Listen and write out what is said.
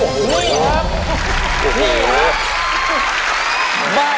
บ้านเมืองสวยสะอาดเป็นระเบียบเรียบร้อย